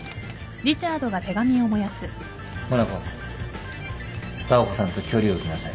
モナコダー子さんと距離を置きなさい。